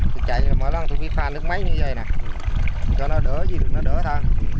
tôi chạy mỗi lần tôi đi pha nước máy như vầy nè cho nó đỡ gì được nó đỡ thôi